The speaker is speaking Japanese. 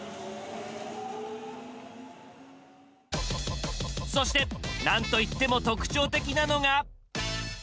そして何と言っても特徴的なのが。